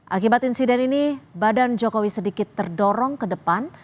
akibat insiden ini badan jokowi sedikit terdorong ke depan